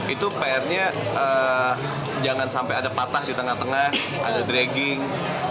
itu pr nya jangan sampai ada patah di tengah tengah ada dragging